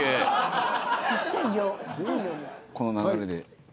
この流れで。